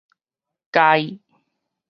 偕